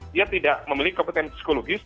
dia tidak memiliki kompetensi psikologis